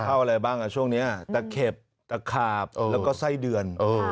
อะไรบ้างช่วงนี้ตะเข็บตะขาบแล้วก็ไส้เดือน